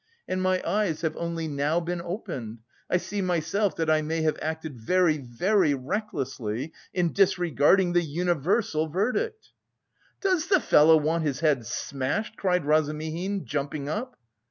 And my eyes have only now been opened! I see myself that I may have acted very, very recklessly in disregarding the universal verdict...." "Does the fellow want his head smashed?" cried Razumihin, jumping up.